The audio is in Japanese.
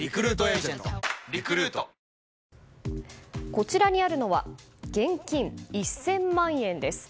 こちらにあるのは現金１０００万円です。